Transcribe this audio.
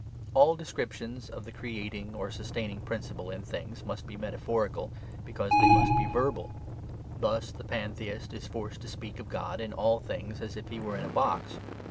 All descriptions of the creating or sustaining principle in things must be metaphorical, because they must be verbal. Thus the pantheist is forced to speak of God in all things as if he were in a box.